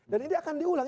dan ini akan diulang